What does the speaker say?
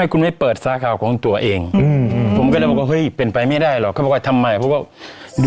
ไม่ตัดไม่ตัดไม่ตัดไม่ตัดไม่ตัดไม่ตัดไม่ตัดไม่ตัดไม่ตัดไม่ตัด